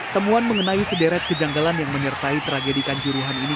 temuan mengenai sederet kejanggalan yang menyertai tragedi kanjuruhan ini